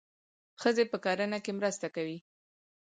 ښځې په کرنه کې مرسته کوي.